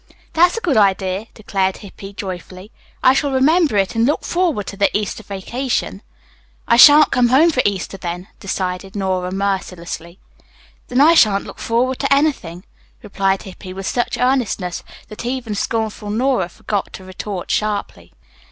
"That's a good idea," declared Hippy joyfully. "I shall remember it, and look forward to the Easter vacation." "I shan't come home for Easter, then," decided Nora mercilessly. "Then I shan't look forward to anything," replied Hippy with such earnestness that even scornful Nora forgot to retort sharply.